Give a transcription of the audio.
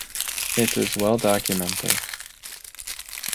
It is well documented.